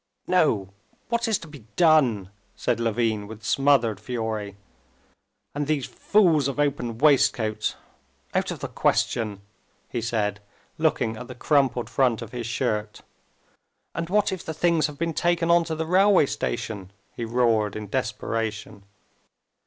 "No, what is to be done!" said Levin, with smothered fury. "And these fools of open waistcoats! Out of the question!" he said, looking at the crumpled front of his shirt. "And what if the things have been taken on to the railway station!" he roared in desperation.